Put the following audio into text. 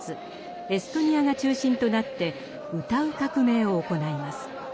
エストニアが中心となって「歌う革命」を行います。